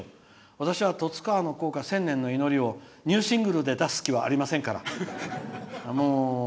私は十津川の校歌「千年の祈り」をニューシングルで出す気はありませんから。